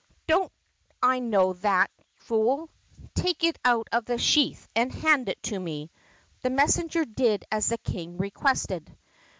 "Don't I know that, fool? Take it out of the sheath and hand it to me !" The messenger did as the King requested.